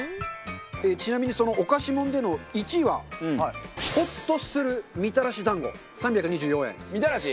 ちなみにそのおかしもんでの１位はホッとするみたらし団子３２４円。みたらし？